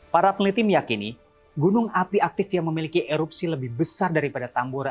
para peneliti meyakini gunung api aktif yang memiliki erupsi lebih besar daripada tambora